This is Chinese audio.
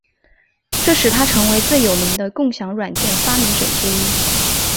这使他成为最有名的共享软件发明者之一。